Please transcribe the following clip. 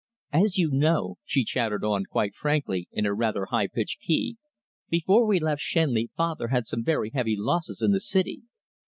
"As you know," she chattered on, quite frankly, in her rather high pitched key, "before we left Shenley father had some very heavy losses in the City.